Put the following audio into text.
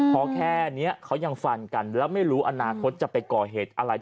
เพราะแค่นี้เขายังฟันกันแล้วไม่รู้อนาคตจะไปก่อเหตุอะไร